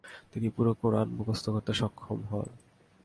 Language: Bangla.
তিনি পুরো কুরআন মুখস্থ করতে স্বক্ষম হন ।